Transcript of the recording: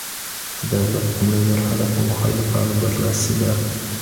د دولت لومړۍ مرحله په مخالفانو برلاسي ده.